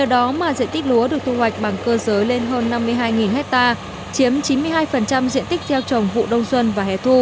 đó mà diện tích lúa được thu hoạch bằng cơ giới lên hơn năm mươi hai hectare chiếm chín mươi hai diện tích gieo trồng vụ đông xuân và hẻ thu